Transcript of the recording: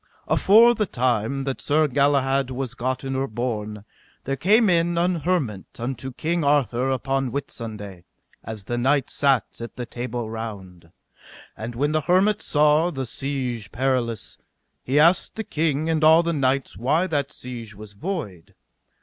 Afore the time that Sir Galahad was gotten or born, there came in an hermit unto King Arthur upon Whitsunday, as the knights sat at the Table Round. And when the hermit saw the Siege Perilous, he asked the king and all the knights why that siege was void.